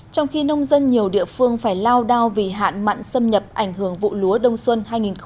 trong khi nông dân nhiều địa phương phải lao đao vì hạn mặn xâm nhập ảnh hưởng vụ lúa đông xuân hai nghìn một mươi hai nghìn hai mươi